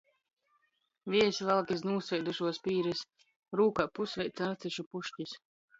Viejs valk iz nūsveidušuos pīris, rūkā pusveits narcišu puškis.